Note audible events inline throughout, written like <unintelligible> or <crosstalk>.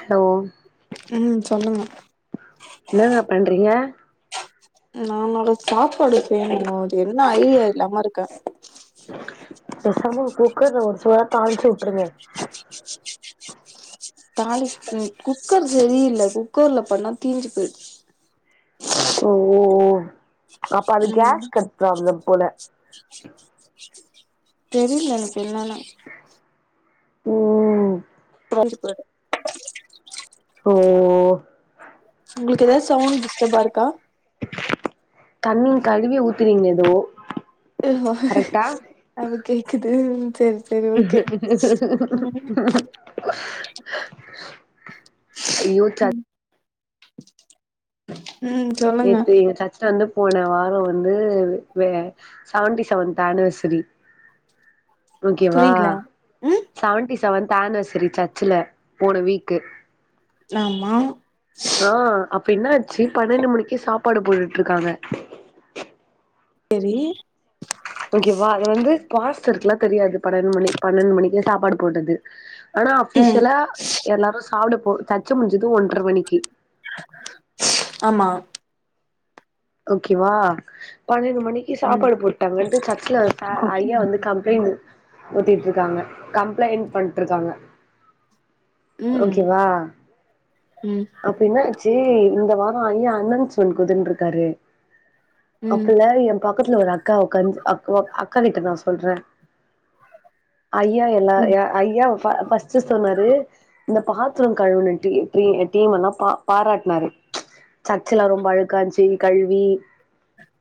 ஹ்லோ ம் சொல்லுங்க என்னாங்க பண்றீங்க நா நல சாப்பாடு சேமிக்கணு அது என்ன ஐய இல்லாம இருக்கே பேசாம குக்கர்ல ஒரு சுவா தாளிச்சு வுட்ருங்க தாலிக் ம் குக்கர் சரியில்ல குக்கர்ல பண்ணா தீஞ்சு போய்ர்ச் ஓஓஓ அப்ப அது ம் கேஸ் கட் ப்ராப்ளம் போல தெரில எனக் என்னன்னு ஓ துவஞ்சி போய்டு தோ உங்ளுக்கு ஏதாவ் சவ்ண் டிஸ்டபாருக்கா கண்ணியின் கழுவி ஊத்துறீங்க எதோ அவ கேக்குது சேரி <inaudible> ஐயோ தத் ம் <inaudible> ம் சொல்லுங்க நேத்து இவ தத் ஸ்ட வந்து போன வார வந்து வே சவன்டி சவன்த் ஆனிவர்சரி ஆ <inaudible> ஓகேவா புரியல ம் சவன்டி சவன்த் ஆனிவர்சரி சர்ச்சுல போன வீக்கு நாமா ஆ அப்ப இன்னாச்சு பன்னண்டு மணிக்கே சாப்பாடு போட்டுட்ருக்காங்க எரி ஓகேவா அத வந்து பாஸ்டருக்குலா தெரியாது பன்னண் மணி பன்னண்டு மணிக்கே சாப்பாடு போட்டது ஆனா ம் அஃபிஷியலா எல்லாரு சாப்புட போ தச்சு முட்ஞ்சது ஒன்ற மணிக்கி ஆமா ஓகேவா பன்னண்டு மணிக் ம் சாப்பாடு போட்டாங்கன்ட்டு சர்ச்சுல ஃப ம் ஐயா வந்து கம்ப்ளைண்னு ஓத்திட்ருக்காங்க கம்ப்ளைண் பண்ட்ருக்காங்க ஓகேவா ம் ம் அப்ப இன்ன சே இந்த வார ஐயா அனன்ஸ்மண் குத்துன்ருக்காரு ம் அப்புல்ல ஏ பக்கத்துல ஒரு அக்கா ஒக்காந்து அக் வாக் அக்காகிட்ட நா சொல்ற ஐயா எல்லா ம் ய ஐயா ப ஃபஸ்ட்டு சொன்னாரு இந்த பாத்துரோ கழுவுண டீ ட்ரீ டீமல்லா பாராட்னாரு சர்ச்சிலா ரொம்ப அழுக்காந்ச்சி கழுவி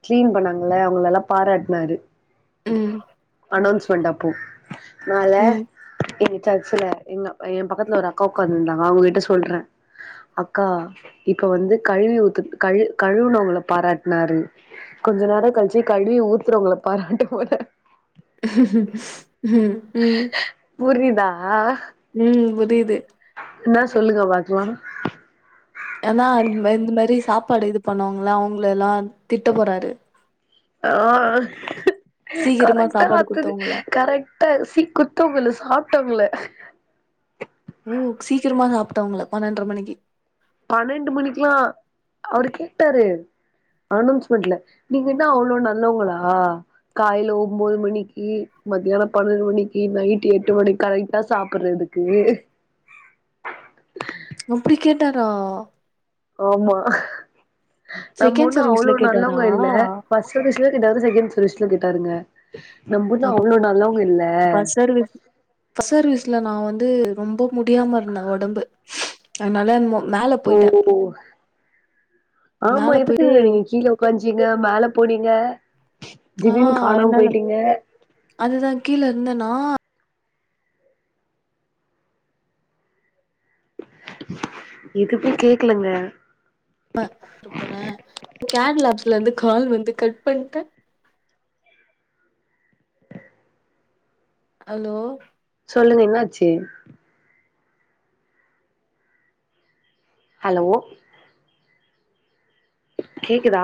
கட்ளீன் பண்ணாங்கள்ள அவுங்ளல்லா பாராட்னாரு அனோன்ஸ்மண்ட் அப்போ நால எங்க சர்ச்சுல எங்க ஏ பக்கத்துல ஒரு அக்கா உக்காந்துர்ந்தாங்க அவுங்ககிட்ட சொல்ற அக்கா இப்ப வந்து கழுவி ஊத்து கழு கழுவுனவுங்ள பாராட்னாரு கொஞ்ச நேர கழ்ச்சு கழுவி ஊத்துறவுங்ள பாராட்டு போல ம் புரிதா ம் புரிய்து ன்னா சொல்லுங்க பாக்லா எதா இந் மரி இந் மரி சாப்பாடு இது பண்ணுவுங்ள அவுங்ளலா திட்ட போறாரு ஆ அ சீக்கிரமா கரெக்டா சாப்பாடு அத்துது குடுத்தவங்கள கரக்ட் டர்சி குர்த்தவுங் இல்ல சாப்ட்டவுங்ள ஓ சீக்கிரமா சாப்ட்டவுங்ள பன்னண்ட்ர மணிக்கி பன்னண்டு மணிக்லா அவுரு கேட்டாரு அனோன்ஸ்மண்ட்ல நீங்க என்னா அவ்ளோ நல்லவுங்ளா காலைல ஒம்போது மணிக்கி மத்தியான பன்னண்டு மணிக்கி நைட் எட்டு மணிக்கி கரெக்டா சாப்புட்றது கு அப்புடி கேட்டாரா ஆமா நம்ம செகண்ட் ஒன்னு அவ்ளோ சர்வீஸ்ல கேட்டாரா நல்லவ்ங்க இல்ல ஃபர்ஸ்ட்ல <unintelligible> கேட்டாரு செக்கேண்ட் சுரேஷ்ல திட்டாருங்க நம்புன்ன அவ்ளோ நல்லவுங் இல்ல சேர்விஸ் ஃபஸ் சர்வீஸ்ல நா வந்து ரொம்ப முடியாம இர்ந்த ஒடம்பு அத்னால என்மோ ஒ ஒ ஆமா மேல போயிட்டு எதுக்குங்க நீங்க கீழ உக்காஞ்சீங்க மேல போனிங்க ஆ திவின் காணாம் அதனால பொய்ட்டீங்க அதுதா கீழ இர்ந்தனா எதுமே கேக்லங்க ம போன கேட்லாப்ஸ்லேந்து கால் வந்து கட் பண்ட்ட ஹலோ சொல்லுங்க இன்னாச்சு ஹலோ கேக்குதா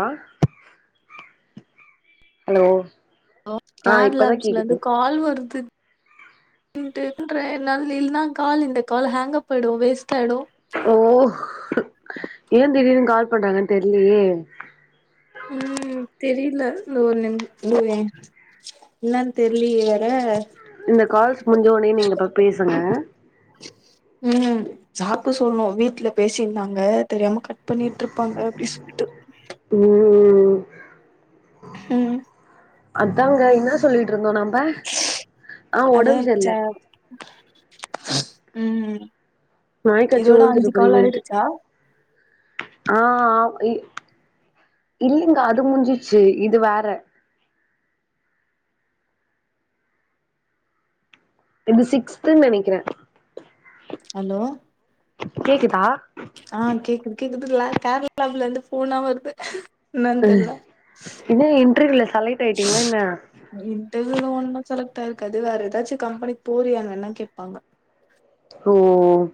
ஹலோ லோ ஆ இப்பதா கேக்குது கேர்லாப்ஸ்லேர்ந்து கால் வர்து இன்ட்டு இன்றேஎன்னால் லில்னா கால் இந்த கால் ஹங்கப் ஆயிடு வேஸ்ட் ஆயிடு ஓ ஏ திடீர்னு கால் பண்றாங்கன் தெர்லியே ம் தெரில இந்த ஒர் நிம் <unintelligible> இன்னான் தெர்லியே வேற இந்த கால்ஸ் முட்ஞ்ச ஒனே நீங் அப்ப பேசுங்க ம் சாப்பு சொல்ணு வீட்ல பேசின்ந்தாங்க தெரியாம கட் பண்ணிட்ருப்பாங்க அப்டின் சொல்ட்டு ம் ம் அத்தாங்க இன்னா சொல்லிட்ருந்தோ நம் அதா ச ம் ம் நாய் கச்சி உழ்ந்துரு போறீங்கன்ட்டு ஆ ஆ இ இல்லிங்க அது முட்ஞ்சிச்சு இது வேற இது சிக்ஸ்த்து நெனக்கிற ஹலோ கேக்குதா ஆ கேக்குது கேக்குதுல்ல கேர்ளாவுலந்து ஃ ஃபோனா வர்து இன்ன இன்ட்ருவில செலக்ட் ஆயிட்டீங்ளா என்ன இன்டர்வியூல ஒன்னு செலக்ட் ஆயிருக்காது வேற எதாச்சு கம்பெனிக் போறியாங்க வேன்னா கேப்பாங்க ஒ ஒ ஒ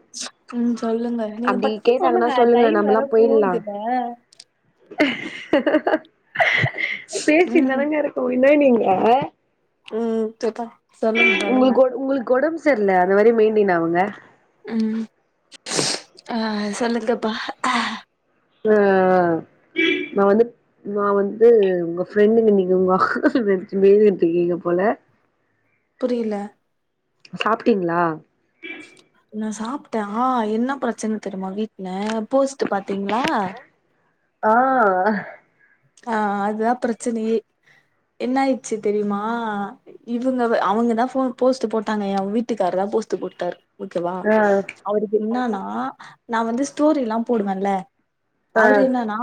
ம் சொல்லுங்க நீங்க பத்து சொல்லுங்க டைம் வேற போவுதுல ம் பேசிட்தானங்க இருக்கோ இன்ன நீங்க ம் சேர் ப சொல்லுங் சொல்லுங்க உங்குளுக்கு ஒடம் செர்ல அந்த மாரி மெயிண்டேன் அவுங்க ம் அ சொல்லுங்கப்பா அ அ நா வந்து ந வந்து உங்க ஃப்ரெண்டுங்க நீங்க உங்க வா நென்ச்சி பிய்ந்துகிட்ருக்கீங்க போல <inaudible> புரிய்ல சாப்ட்டீங்ளா நா சாப்ட்டே ஆ என்ன பிரச்சன தெரிமா வீட்ல போஸ்ட்டு பாத்தீங்ளா ஆ அ அதுதான் பிரச்சனையே என்ன ஆயிட்ச்சு தெரிய்மா இவுங்கவு அவுங்கதான் ஃபோ போஸ்ட்டு போட்டாங்க வீட்டுக்கார் தா போஸ்ட்டு போட்டாரு ஓகேவா ஆ அவருக்கு என்னானா நா வந்து ஸ்டோரி எல்லா போடுவன்ல ஆ அவுரு என்னனா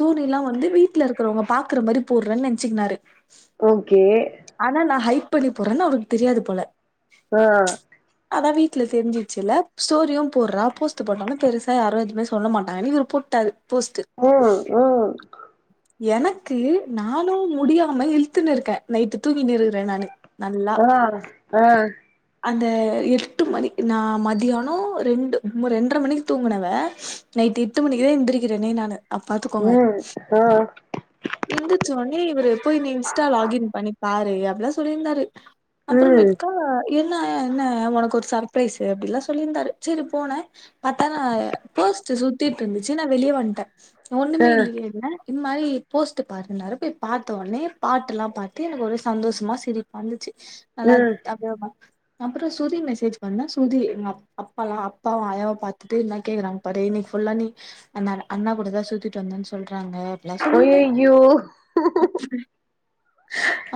தூணிலா வந்து வீட்ல இருக்குறவங்க பாக்குற மாரி போட்றன்ன நென்ச்சிக்கினாரு ஓகே ஆனா நா ஹைக் பண்ணி போறன் அவுருக் தெரியாது போல அ அதா வீட்ல தெரிஞ்சச்சுல்ல ஸ்டோரியு போட்றா போஸ்ட்டு போட்டலு பெருசா யாரு எதுமே சொல்ல மாட்டாங்கனு இவுரு போட் டாரு போஸ்ட்டு ம் ம் எனக்கு நானு முடியாம இழுத்துனு இருக்க நைட்டு தூங்கின் இருக்குற நானு நல்லா அ அ அந்த எட்டு மணி நா மதியானோ ரெண்டு ரெண்ட்ர மணிக்கி தூங்குனவ நைட்டு எட்டு மணிக்கிதா எந்துரிக்கிறனே நானு அப் பாத்துக்கோங்க ம் ஆ எந்துச்சோனே இவுரு போயி நீ இன்ஸ்டா லாகின் பண்ணி பாரு அப்டிதா சொல்லிந்தாரு ம் அப்பறமேட்கா என்னா என்ன ஒனக்கொரு சர்ப்ரைஸு அப்டிலா சொல்லிர்ந்தாரு செரி போன பாத்தா நா போஸ்ட்டு சுத்திட்ருந்துச்சு நா வெளிய வண்ட்ட ஒன்னுமே ஆ இல்லியேன்ன இந்மாரி போஸ்ட்டு பாருன்னாரு போய் பாத்த ஒன்னே பாட்டுல்லா பாத்து எனக்கு ஒரே சந்தோஷ்மா சிரிப்பாந்துச்சு ம் நல்லாத் <unintelligible> அப்புற சுதி மெசேஜ் பண்ண சுதி எங் அப் அப்பாலா அப்பாவு ஆயாவா பாத்துட்டு இன்னா கேக்குறாங் பரே இன்னிக் ஃபுல்லா நீ அண்ணா அண்ணா கூட தா சுத்திட்டு வந்தன் சொல்றாங்க அப்டிலா ஒய் சொல்லிட்டு ஐயோ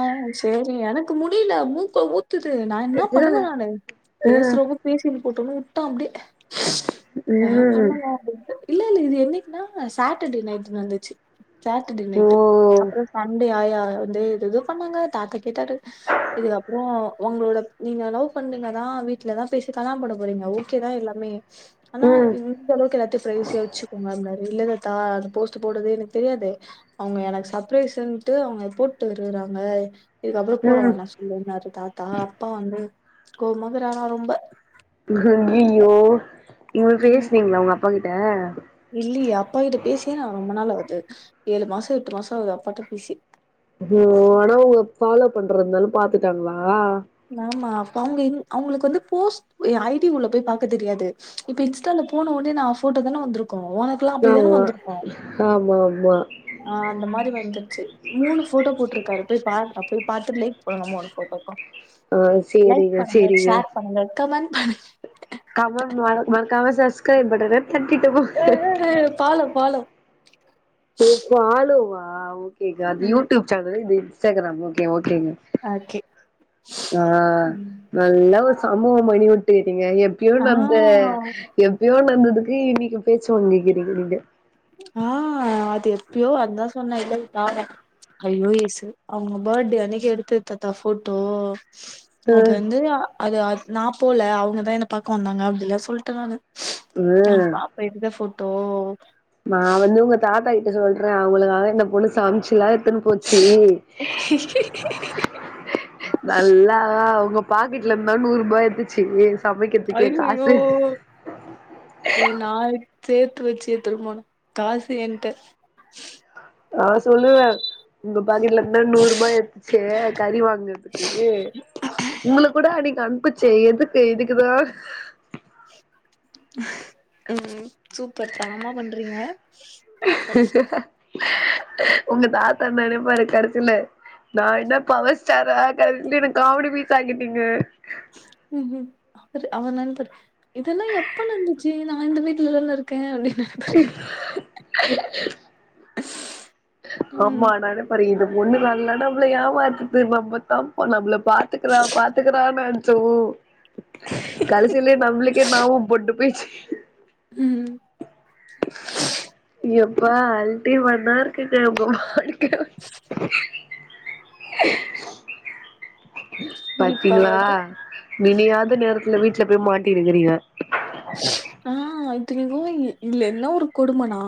ஆ சேரி எனக்கு முடிய்ல மூக்க ஊத்துது நா இன்னா பண்ணுவ ம் நானு ம் பேஸ்ரவ்ங்க பேசின் போட்டுனு உட்ட அப்டே அ ம் பண்ணல அப்டின்ட்ட இல்லல்ல இது என்னிக்னா சாட்டர்டே நைட்டு நட்ந்துச்சு சாட்டர்டே ஓ நைட்டு் அப்ற சண்டே ஆயா ந்து இதுதோ பண்ணாங்க தாத்தா கேட்டாரு இதுகப்றோ ஒங்ளோட நீங்க லவ் பண்றீங்கதா வீட்லதா பேசி கல்லாண் பண்ண போறீங்க ஓகேதா எல்லாமே அனா ம் இந் இந் அளவுக் எல்லாத்யு ப்ரைவசியா வச்சுக்கோங்க அப்னாரு இல்ல தாத்தா அது போஸ்ட்டு போட்டதே எனக் தெரியாது அவ்ங்க எனக் சர்ப்பரைஸ்ன்ட்டு அவ்ங்க இத் போட்டு இருக்குறாங்க இதுகப்புற ம் போடவானா சொல்லுன்னாரு தாத்தா அப்பா வந்து கோவ்மாக்குறாறா ரொம்ப யிய்யோ இவுள் ம் பேஸ்னீங்ளா ஒங் அப்பா கிட்ட இல்லியே அப்பா கிட்ட பேசியே நா ரொம்ப நாள் ஆவ்து ஏழு மாச எட்டு மாச ஆவ்து அப்பாட்ட பேசி தோ ஆனா ஒங்க ஃபாலோ பண்றத்னால பாத்துட்டாங்ளா நாமா அப்ப அவ்ங்க இங் அவ்ங்ளுக் வந்து போஸ்ட் ஏ ஐ டி உள்ள போய் பாக்க தெரியாது இப்ப இன்ஸ்ட்டால போனோ ஒனே நா அவ் ஃபோட்டோ தான வந்துருக்கு ஓனக் நாமா ஆமா அம்மா ஆ அந்த மாரி வந்துர்ச்சு மூணு ஃபோட்டோ போட்ருக்காரு பேய் பார் அப்டே பாத்துட் லைக் பண்ணனு மூணு ஃபோட்டோக்கு ஆ லைக் சேரிங்க பண்ணுங்க சேரிங்க ஷேர் பண்ணுங்க கமெண் பண்ணு கமன் மற மறக்காம சஸ்க்ரைப் பட்டண தட்டிட்டு போ அ அ அ பாலோ பாலோ தோ ஃபாலோவா ஓக்கேங்க அந்த ம் யூடியூப் சேனலு இந்த இன்ஸ்டாகிராமு ஓக்கே ஓக்கேங்க ஓகே அ நல்லா ஒர் சம்பவோ பண்ணிவுட் டுடிங்க எப்பியோ நட்ந்த ஆ எப்பியோ நட்ந்ததுக்கு இன்னிக்கி போய் சொல்லி இருக்கீங்க நீங்க ஆ அது எப்பியோ அத்தா சொன்னே இல்ல <unintelligible> ஐய்யோ ஏசு அவுங்க பட்டே அன்னக்கி எடுத்தது தாத்தா ஃபோட்டோ ஆ அவுக்கே வந்து அது அத் நா போல அவ்ங்கதா என்ன பாக்க வந்தாங்க அப்டில்லா சொல்ட நானு நா ம் பாப்பே எந்த ஃபோட்டோ நா வந்து உங்க தாத்தா கி ட்ட சொல்றே அவங்களுகாக இந்த பொண்ணு சமச்சில்லா எட்த்துனு போச்சி நல்லா அழகா உங்க பாக்கெட்ல இருந்த தா நூற் ரூபா எட்த்துச்சி சமைக்கிறதுக்கே ஐயயோ காசு ஏ நா இருக் சேத்து வச்சு எட்த்துட்டு போனே காசு என்ட ஆ சொல்லுவே உங்க பாக்கெட்ல இருந்து தா நூற்ரூபா எட்த்துச்சு கறி வாங்கறதுக்கு உங்ளுக் கூட அன்னிக்கு அனுப்புச்சே எதுக்கு இதுக்குதா ம் சூப்பர் தரமா பண்றீங்க சொன்னே உங்க தாத்தா நெனைப்பாரு கடைசில நா என்ன பவர் ஸ்டாரா கடசில என்ன காமிடி பீஸ் ஆக்கிட்டீங்க ம் ம் அவரு அவன் நண்பரு இதெல்லா எப்ப நடந்துச்சு நா இந்த வீட்லதானே இருக்கே அப்டின் ம் ஆமா நெனைப் பாரு இந்த பொண்ணு நல்லா நம்மள ஏமாத்துத்து நம்ம தாம்ப்பா நம்மள பாத்துக்கிறா பாத்துக்கிறான்னு நெனச்சோ கடசிலயே நம்பளுக்கே நாமம் போட்டு போய்ச்சு ம் இப்ப அல்ட்டி மேட்டா இருக்குங்க உங்க வாழ்க்கை பாத்தீங்ளா சிரிப்பாவது நினையாத நேரத்துல வீட்ல போயி மாட்டின்னு இருக்கறீங்க ஆ இத்திநிக்கும் இதுல என்னா ஒரு கொடுமனா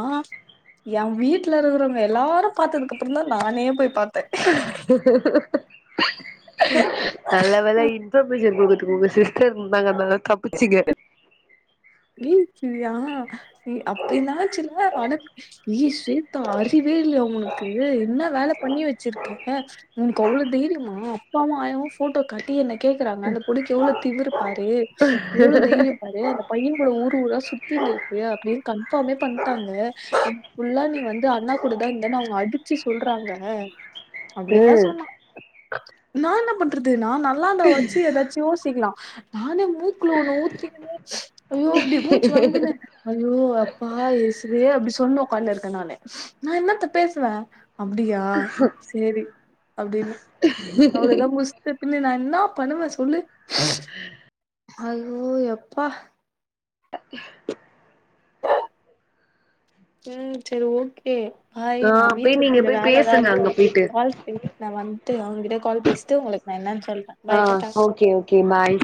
என் வீட்ல இருக்கறவங்க எல்லாரும் பாத்ததுக்கு அப்புறந் தா நானே போய் பாத்தே நல்ல வேல இன்பர்மேஷன் போங்கத்து போங்கச்சி வீட்ல இருந்தாங்க அதனால தப்பிச்சிங்க வீட்லயா அப்ப என்னாச்சுல்ல ஆனா ஏ ஸ்வேதா அறிவே இல்லையா உனக்கு என்ன வேல பண்ணி வச்சிருக்க உனக்கு அவ்ளோ தைரியமா அப்பாவு ஆயாவு ஃபோட்டோ காட் டி என்ன கேக்குறாங்க அந்த பொண்ணுக்கு எவ்ளோ திமுரு பாரு எவ்ளோ தைரியம் பாரு அந்த பையன் கூட ஊர் ஊரா சுத்தினு இருக்கு அப்படின்னு கன்ஃபாமே பண்ட்டாங்க ஃபுல்லா நீ வந்து அண்ணா கூடதா இருந்தான்னு அவுங்க அடிச்சு சொல்றாங்க அப்படின்னு தா ம் சொன்ன நா என்ன பண் றது நா நல்லா இருந்தா வாச்சு ஏதாச்சு யோசிக்கலா நானே மூக்குல ஒண்ணு ஊத்திக்கின்னு ஐய்யோ இப்படி மூச்சு வாங்கினு ஐய்யோ அப்பா ஏசுவே அப்டி சொல்னு உக்காண்டு இருக்கே நானு நா என்னத்த பேசுவே அப்டியா சேரி அப்டின்னா அவ்ளோதா புஸ் த பின்னநா என்னா பண்ணுவே சொல்லு அதுவூ எப்பா ம் செரி ஓகே பாய் ஆ நா வீட்ல போய் நீங்க கொஞ்சோ போய் வேலலா பேசுங்க இருக்கு அங்க போயிட்டு கால் பின் நா வந்த்ட்டு அவங்ககிட்ட கால் பேசிட்டு உங்களுக்கு நா என்னான் சொல்றே ஆ பாய் டாட்டா ஓகே ஓகே பாய்